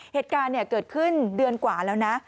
เหตุการณ์เกิดขึ้นเดือนกว่าแล้วนะ